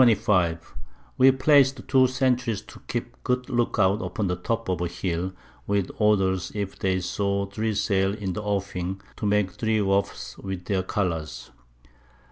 _ We plac'd two Centries to keep a good Lookout upon the Top of a Hill, with Orders if they saw 3 Sail in the Offing, to make 3 Waffs with their Colours.